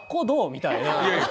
みたいな。